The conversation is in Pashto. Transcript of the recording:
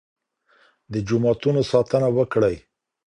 د جوماتونو ساتنه وکړئ.